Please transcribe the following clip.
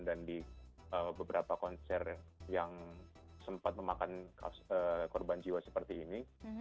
dan di beberapa konser yang sempat memakan korban jiwa seperti ini